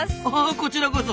こちらこそ。